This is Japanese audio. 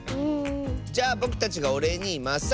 じゃあぼくたちがおれいにマッサージしてあげよう！